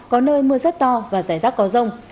có nơi mưa rất to và rải rác có rông